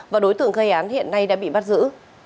và đối tượng gây án hiện nay đã bị bắt giữ